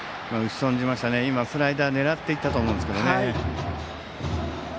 今、フライでスライダーを狙っていったと思うんですが。